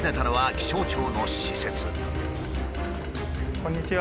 こんにちは。